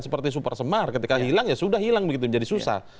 seperti super semar ketika hilang ya sudah hilang begitu menjadi susah